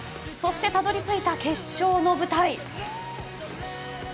そしてたどり着いた決勝の舞台。